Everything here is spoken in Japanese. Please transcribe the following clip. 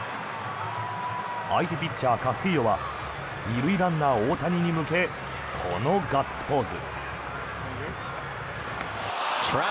相手ピッチャー、カスティーヨは２塁ランナー、大谷に向けこのガッツポーズ。